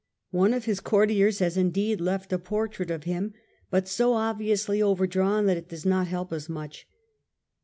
One of his courtiers has indeed left a portrait of him, but so obviously overdrawn that it does not help us much.